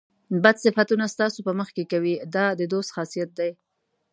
بد صفتونه ستاسو په مخ کې کوي دا د دوست خاصیت دی.